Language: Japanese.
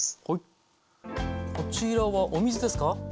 こちらはお水ですか？